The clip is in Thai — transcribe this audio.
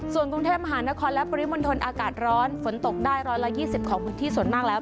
ส่วนกรุงเทพมหานครและปริมณฑลอากาศร้อนฝนตกได้๑๒๐ของพื้นที่ส่วนมากแล้ว